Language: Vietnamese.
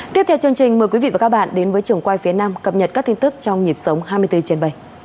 tiếp theo chương trình mời quý vị và các bạn đến với trường quay phía nam cập nhật các tin tức trong nhịp sống hai mươi bốn trên bảy